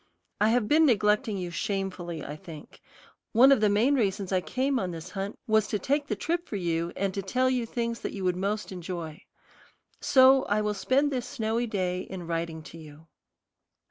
I have been neglecting you shamefully, I think. One of the main reasons I came on this hunt was to take the trip for you, and to tell you things that you would most enjoy. So I will spend this snowy day in writing to you.